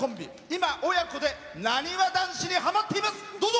今、親子でなにわ男子にはまっています。